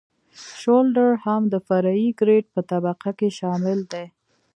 شولډر هم د فرعي ګریډ په طبقه کې شامل دی